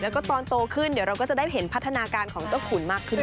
แล้วก็ตอนโตขึ้นเดี๋ยวเราก็จะได้เห็นพัฒนาการของเจ้าขุนมากขึ้น